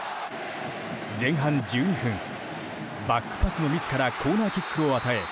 前半１２分バックパスのミスからコーナーキックを与え